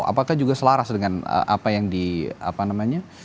apakah juga selaras dengan apa yang di apa namanya